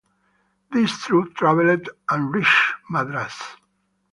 This troupe travelled and reached Madras.